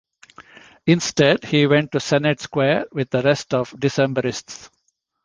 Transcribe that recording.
Instead he went to Senate Square with the rest of Decembrists.